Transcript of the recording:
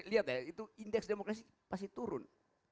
lihat ya itu indeks demokrasi pasti turun